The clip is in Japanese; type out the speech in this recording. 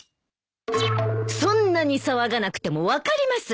そんなに騒がなくても分かります。